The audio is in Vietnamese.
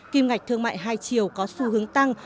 kim ngạch thương mại hai chiều có xu hướng tăng